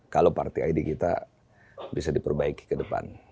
kalau partai id kita bisa diperbaiki ke depan